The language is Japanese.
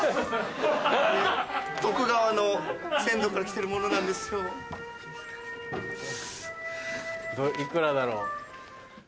徳川の先祖から来てるものなんです。幾らだろう？